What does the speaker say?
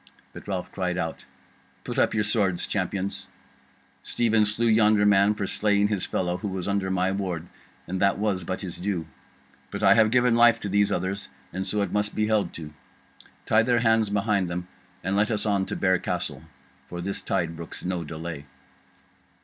But Ralph cried out: "Put up your swords, Champions! Stephen slew yonder man for slaying his fellow, who was under my ward, and that was but his due. But I have given life to these others, and so it must be held to. Tie their hands behind them and let us on to Bear Castle. For this tide brooks no delay."